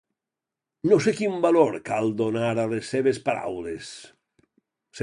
No sé quin valor cal donar a les seves paraules.